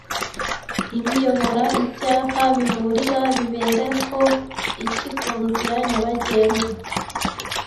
ibiyobora Ibyapa biburira bibereho iki kunzira nyabagendwa?